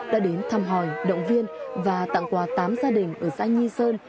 đã đến thăm hỏi động viên và tặng quà tám gia đình ở xã nhi sơn